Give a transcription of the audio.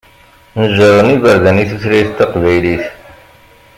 Neǧṛen iberdan i tutlayt taqbaylit.